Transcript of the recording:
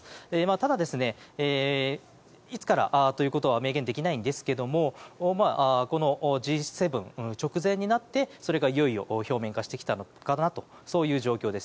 ただ、いつからということは明言できないんですがＧ７の直前になってそれがいよいよ表面化してきたとそういう状況です。